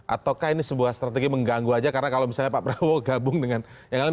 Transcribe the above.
ataukah ini sebuah strategi mengganggu aja karena kalau misalnya pak prabowo gabung dengan yang lain